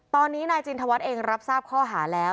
ตอนนี้นายจินทวัฒน์เองรับทราบข้อหาแล้ว